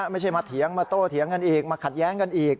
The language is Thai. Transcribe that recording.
ไม่ใช่มาเถียงมาโต้เถียงกันอีกมาขัดแย้งกันอีก